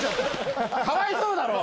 ・かわいそうだろ。